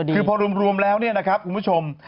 คือพอรวมแล้วเนี่ยนะครับคุณผู้ชม